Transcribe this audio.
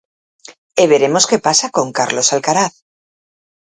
E veremos que pasa con Carlos Alcaraz.